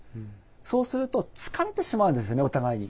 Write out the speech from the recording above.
そうすると疲れてしまうんですねお互いに。